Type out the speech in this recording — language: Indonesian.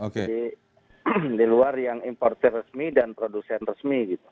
jadi di luar yang importer resmi dan produsen resmi